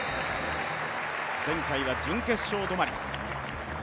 前回は準決勝止まり。